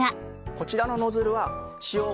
こちらのノズルは使用後